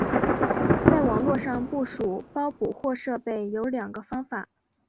在网络上部署包捕获设备有两个方法。